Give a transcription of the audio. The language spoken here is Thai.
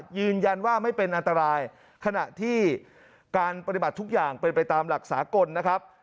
ยืนยันว่าไม่เป็นอันตรายขณะที่การปฏิบัติทุกอย่างเป็นไปตามหลักสากลนะครับ